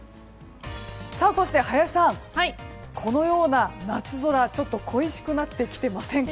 そして林さん、このような夏空ちょっと恋しくなってきてませんか？